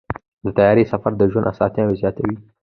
د طیارې سفر د ژوند اسانتیاوې زیاتوي.